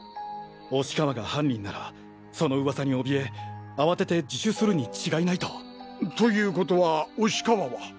押川が犯人ならその噂に怯え慌てて自首するに違いないと。ということは押川は？